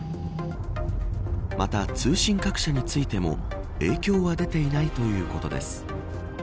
また、通信各社についても影響は出ていないということです。